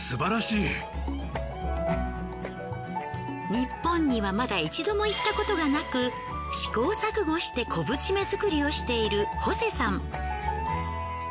ニッポンにはまだ一度も行ったことがなく試行錯誤して昆布締め作りをしているホセさん。